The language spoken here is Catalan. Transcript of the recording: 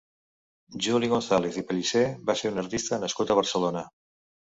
Juli González i Pellicer va ser un artista nascut a Barcelona.